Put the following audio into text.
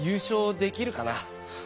「できるかな？」